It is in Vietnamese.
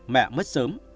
mẹ mất sớm